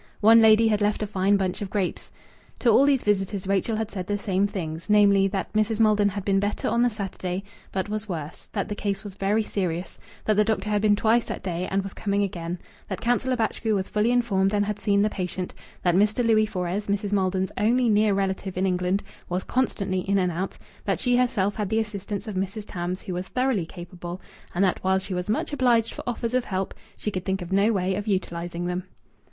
One lady had left a fine bunch of grapes. To all these visitors Rachel had said the same things, namely, that Mrs. Maldon had been better on the Saturday, but was worse; that the case was very serious; that the doctor had been twice that day and was coming again, that Councillor Batchgrew was fully informed and had seen the patient; that Mr. Louis Fores, Mrs. Maldon's only near relative in England, was constantly in and out; that she herself had the assistance of Mrs. Tams, who was thoroughly capable, and that while she was much obliged for offers of help, she could think of no way of utilizing them.